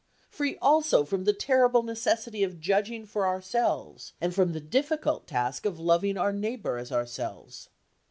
Free also from the terrible necessity of judging for ourselves and from the difficult task of loving our neighbour as ourselves.